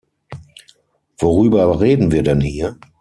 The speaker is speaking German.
Worüber reden wir denn hier?